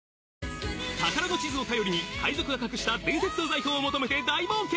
宝の地図を頼りに海賊が隠した伝説の財宝を求めて大冒険！